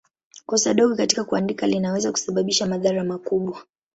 Kosa dogo katika kuandika linaweza kusababisha madhara makubwa.